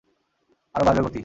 আরো বাড়বে গতি!